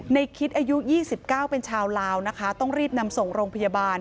ในคิดอายุยี่สิบเก้าเป็นชาวลาวนะคะต้องรีบนำส่งโรงพยาบาล